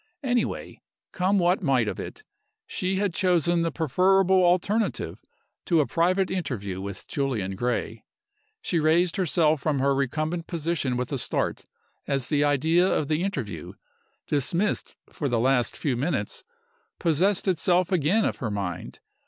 Anyway, come what might of it, she had chosen the preferable alternative to a private interview with Julian Gray. She raised herself from her recumbent position with a start, as the idea of the interview dismissed for the last few minutes possessed itself again of her mind.